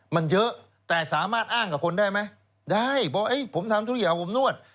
มันเยอะแต่สามารถอ้างกับคนได้ไหมได้เพราะผมทำทุกอย่างอบนวด